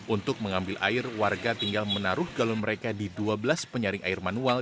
untuk mengambil air warga tinggal menaruh galon mereka di dua belas penyaring air manual